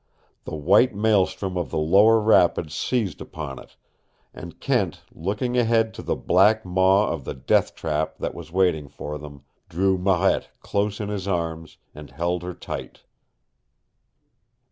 The white maelstrom of the lower rapids seized upon it. And Kent, looking ahead to the black maw of the death trap that was waiting for them, drew Marette close in his arms and held her tight.